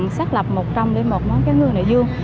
xác lập một trăm linh một món cá ngừ đại dương